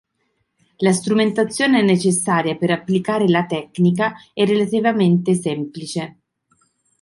La strumentazione necessaria per applicare la tecnica è relativamente semplice.